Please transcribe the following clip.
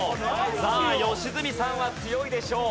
さあ良純さんは強いでしょう。